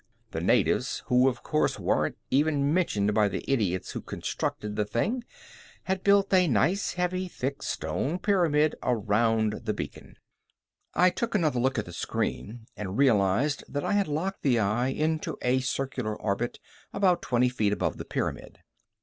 The natives, who, of course, weren't even mentioned by the idiots who constructed the thing, had built a nice heavy, thick stone pyramid around the beacon. I took another look at the screen and realized that I had locked the eye into a circular orbit about twenty feet above the pyramid.